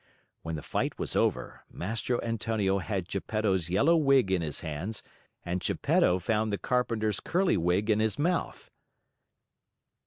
When the fight was over, Mastro Antonio had Geppetto's yellow wig in his hands and Geppetto found the carpenter's curly wig in his mouth.